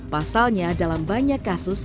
pasalnya dalam banyak kasus